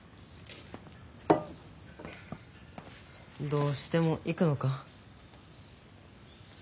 どうしても行くのか？